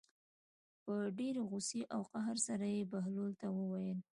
په ډېرې غوسې او قهر سره یې بهلول ته وویل.